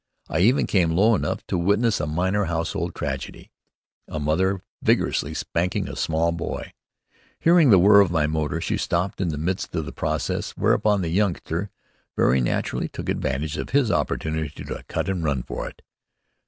I even came low enough to witness a minor household tragedy a mother vigorously spanking a small boy. Hearing the whir of my motor, she stopped in the midst of the process, whereupon the youngster very naturally took advantage of his opportunity to cut and run for it.